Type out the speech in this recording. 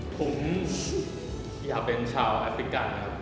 ผมอยากเป็นชาวแอฟริกา